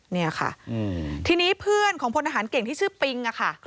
เนี่ยค่ะทีนี้เพื่อนของพลทหารเก่งที่ชื่อปิงอะค่ะ